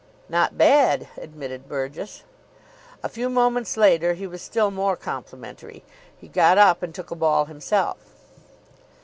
"Not bad," admitted Burgess. A few moments later he was still more complimentary. He got up and took a ball himself.